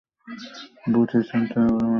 বুঝি এ সন্তানের অভিমানের অশ্রু।